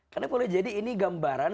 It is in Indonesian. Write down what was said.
karena boleh jadi ini gambaran